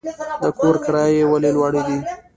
د کور کرایې ولې لوړې دي؟